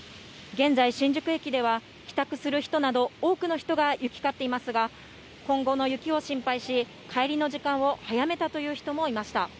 現在、新宿駅では帰宅する人など、多くの人が行き交っていますが、今後の雪を心配し、帰りの時間を早めたという人もいました。